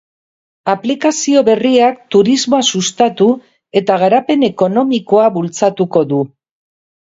Aplikazio berriak turismoa sustatu eta garapen ekonomikoa bultzatuko du.